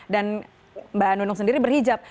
mbak nunung sendiri berhijab